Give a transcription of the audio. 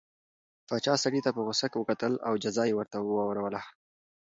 پاچا سړي ته په غوسه وکتل او جزا یې ورته واوروله.